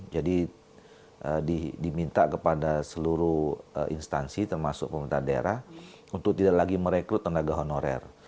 jadi diminta kepada seluruh instansi termasuk pemerintahan daerah untuk tidak lagi merekrut tenaga honorer